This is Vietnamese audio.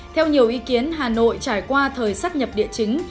theo nhiều ý kiến hà nội trải qua thời sát nhập địa chính